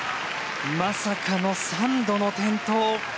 まさかの３度の転倒。